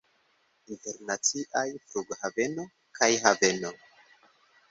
Internaciaj flughaveno kaj haveno.